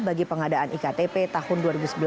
bagi pengadaan iktp tahun dua ribu sebelas dua ribu dua belas